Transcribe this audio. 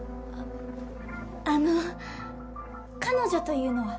あの彼女というのは？